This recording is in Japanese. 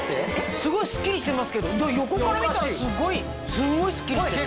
すごいスッキリしてますけど横から見たらすごいスッキリしてる。